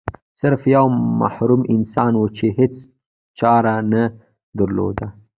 سرف یو محروم انسان و چې هیڅ چاره نه درلوده.